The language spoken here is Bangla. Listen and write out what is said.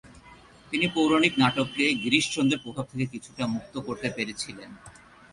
তিনি পৌরাণিক নাটককে গিরিশচন্দ্রের প্রভাব থেকে কিছুটা মুক্ত করতে পেরেছিলেন।